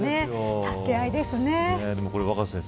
助け合いですよね。